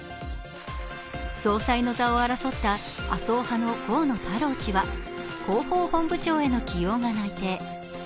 総裁の座を争った麻生派の河野太郎氏は広報本部長への起用が内定。